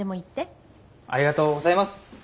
ありがとうございます。